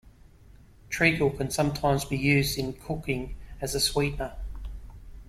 Treacle can sometimes be used in cooking as a sweetener